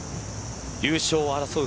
優勝を争う